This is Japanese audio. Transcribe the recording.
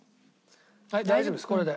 はい大丈夫ですこれで。